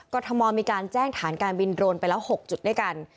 ทมมีการแจ้งฐานการบินโดรนไปแล้ว๖จุดด้วยกัน